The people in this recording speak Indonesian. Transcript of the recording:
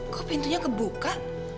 kok pintunya kebuka